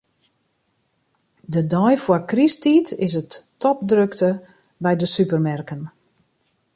De dei foar krysttiid is it topdrokte by de supermerken.